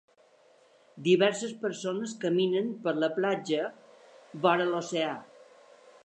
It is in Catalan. Diverses persones caminen per la platja vora l'oceà.